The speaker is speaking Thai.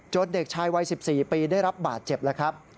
เด็กชายวัย๑๔ปีได้รับบาดเจ็บแล้วครับ